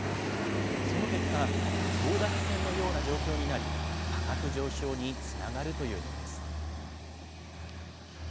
その結果、争奪戦のような状況になり、価格上昇につながるというのです。